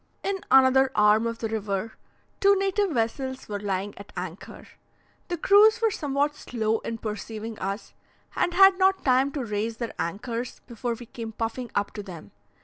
In another arm of the river, two native vessels were lying at anchor. The crews were somewhat slow in perceiving us, and had not time to raise their anchors before we came puffing up to them.